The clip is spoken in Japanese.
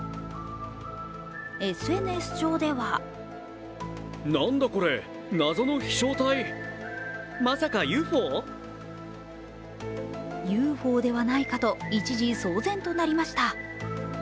ＳＮＳ上ではＵＦＯではないかと一時、騒然となりました。